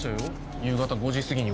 夕方５時すぎには。